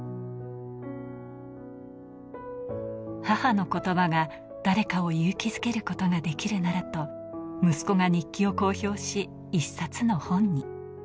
母の言葉が誰かを勇気づけることができるならばと、息子が日記を公表し、一冊の本に。